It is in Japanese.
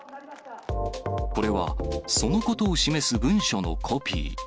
これはそのことを示す文書のコピー。